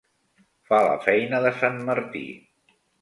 Fa la feina de sant Martí.